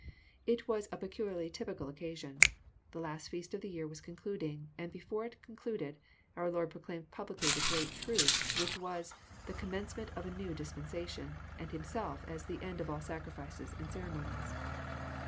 — It was a peculiarly typical occasion. The last feast of the year was concluding, and before it concluded our Lord proclaimed publicly the great truth which was the com mencement of a new dispensation, and Himself as the end of all sacrifices and ceremonies.